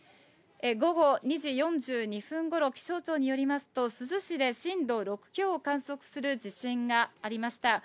午後２時４２分ごろ、気象庁によりますと、珠洲市で震度６強を観測する地震がありました。